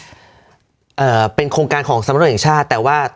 เป็นโครงการของสำนักงานตำรวจแห่งชาติแต่ว่า